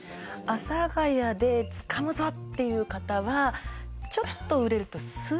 阿佐ヶ谷でつかむぞっていう方はちょっと売れるとすぐね